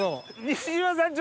西島さん